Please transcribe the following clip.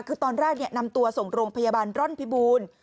คือตอนแรกนำตัวส่งโรงพยาบาลร่อนพิบูรณ์